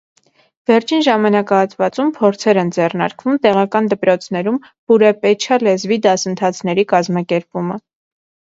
Վերջին ժամանակահատվածում փորձեր են ձեռնարկվում տեղական դպրոցներում պուրեպեչա լեզվի դասընթացների կազմակերպումը։